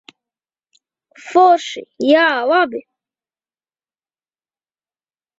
Forši. Jā, labi.